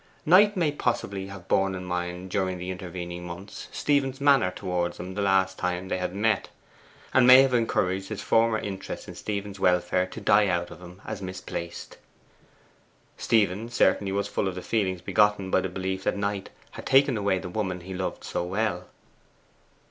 Knight may possibly have borne in mind during the intervening months Stephen's manner towards him the last time they had met, and may have encouraged his former interest in Stephen's welfare to die out of him as misplaced. Stephen certainly was full of the feelings begotten by the belief that Knight had taken away the woman he loved so well.